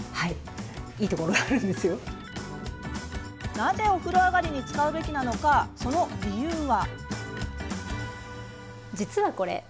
なぜお風呂上がりに使うべきなのか、その理由は？